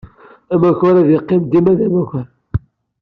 Amakar ad yeqqim dima d amakar.